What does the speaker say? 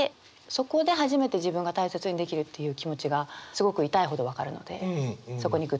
そこで初めて自分が大切にできるっていう気持ちがすごく痛いほど分かるのでそこにぐっときましたね。